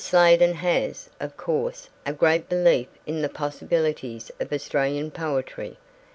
Sladen has, of course, a great belief in the possibilities of Australian poetry.